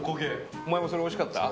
お前も、それ、おいしかった？